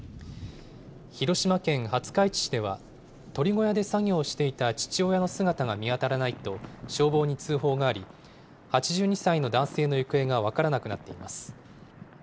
広島県廿日市市では、鶏小屋で作業していた父親の姿が見当たらないと、消防に通報があり、８２歳の男性の行方が分からなくなっています。